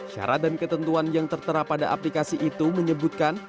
syarat dan ketentuan yang tertera pada aplikasi itu menyebutkan